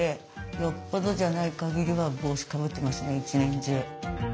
よっぽどじゃないかぎりは帽子かぶってますね一年中。